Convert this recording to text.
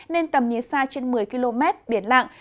nên tầm nhìn xa trên một mươi km biển lặng